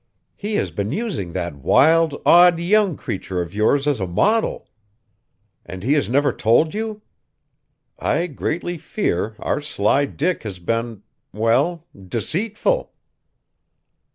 "He has been using that wild, odd, young creature of yours as a model! And he has never told you? I greatly fear our sly Dick has been well, deceitful!"